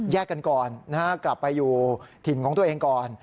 กันก่อนนะฮะกลับไปอยู่ถิ่นของตัวเองก่อน